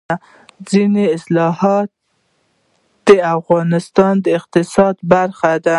دځنګل حاصلات د افغانستان د اقتصاد برخه ده.